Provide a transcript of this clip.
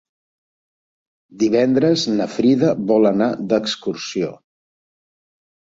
Divendres na Frida vol anar d'excursió.